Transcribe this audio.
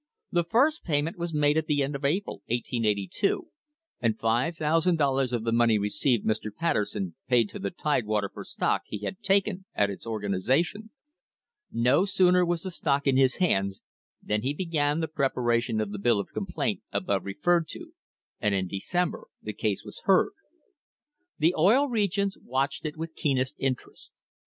The first payment was made at the end of April, 1882, and $5,000 of the money received Mr. Patterson paid to the Tidewater for stock he had taken at its organisation. No sooner was the stock in his hands than he began the preparation of the bill of complaint above re ferred to, and in December the case was heard. The Oil Regions watched it with keenest interest.